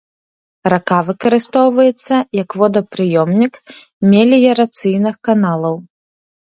Рака выкарыстоўваецца як водапрыёмнік меліярацыйных каналаў.